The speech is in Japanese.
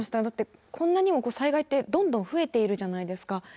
だってこんなにも災害ってどんどん増えているじゃないですか。